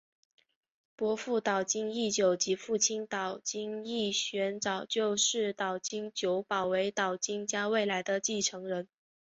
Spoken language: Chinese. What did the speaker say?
伯父岛津义久及父亲岛津义弘早就视岛津久保为岛津家未来的继承人。